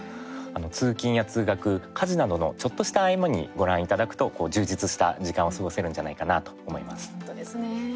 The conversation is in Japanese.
通勤や通学、家事などのちょっとした合間にご覧いただくと充実した時間を過ごせるんじゃないかな本当ですね。